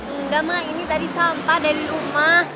enggak mah ini tadi sampah dari rumah